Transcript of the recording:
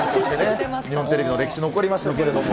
日本テレビの歴史に残りましたけれども。